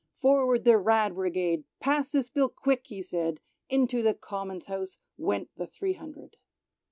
Forward the " Rad." Bridade !" Pass this Bill quick," he said. Into the Common's House went the three hundred.